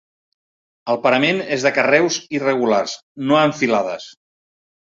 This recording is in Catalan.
El parament és de carreus irregulars, no en filades.